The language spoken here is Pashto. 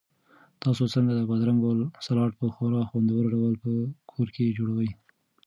تاسو څنګه د بادرنګو سالاډ په خورا خوندور ډول په کور کې جوړوئ؟